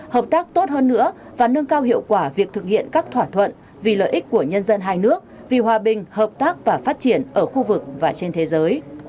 hợp tác tốt hơn nữa và nâng cao hiệu quả việc thực hiện các thỏa thuận vì lợi ích của nhân dân hai nước vì hòa bình hợp tác và phát triển ở khu vực và trên thế giới